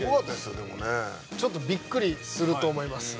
でもねちょっとびっくりすると思います